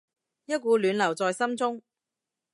一股暖流在心中